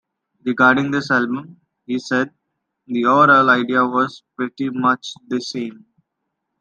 Regarding this album, he said: The overall idea was pretty much the same.